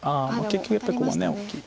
結局やっぱりここ大きい。